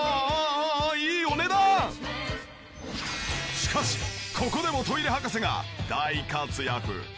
しかしここでもトイレ博士が大活躍！